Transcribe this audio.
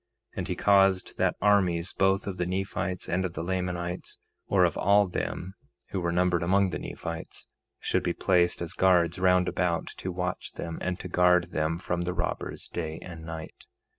And he caused that armies, both of the Nephites and of the Lamanites, or of all them who were numbered among the Nephites, should be placed as guards round about to watch them, and to guard them from the robbers day and night.